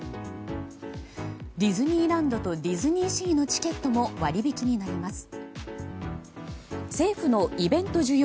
ディズニーランドとディズニーシーのチケットも割引になります。